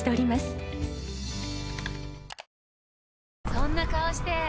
そんな顔して！